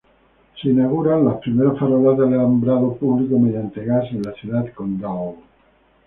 Se inauguran las primeras farolas del alumbrado público mediante gas en la Ciudad Condal.